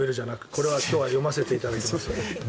これは今日は読ませていただきます。